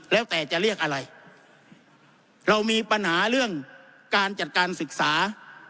แล้วแต่จะเรียกอะไรเรามีปัญหาเรื่องการจัดการศึกษา